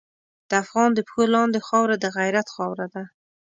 د افغان د پښو لاندې خاوره د غیرت خاوره ده.